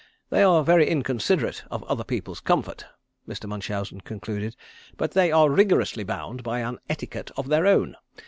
They are very inconsiderate of other people's comfort," Mr. Munchausen concluded, "but they are rigorously bound by an etiquette of their own.